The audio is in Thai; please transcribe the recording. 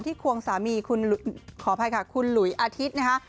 ที่ควงสามีคุณหลุยอาทิตย์นะคะ